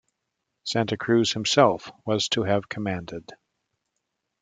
Santa Cruz himself was to have commanded.